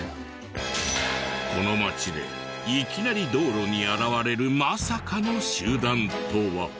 この町でいきなり道路に現れるまさかの集団とは？